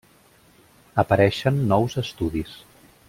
Apareixen nous estudis.